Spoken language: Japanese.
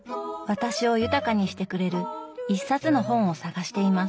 私を豊かにしてくれる一冊の本を探しています。